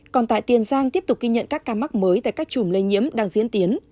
còn tại tiền giang tiếp tục ghi nhận các ca mắc mới tại các chùm lây nhiễm đang diễn tiến